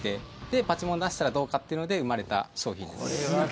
でパチモン出したらどうかっていうので生まれた商品です。